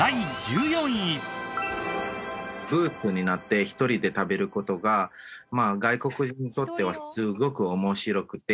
ブースになって１人で食べる事が外国人にとってはすごく面白くて。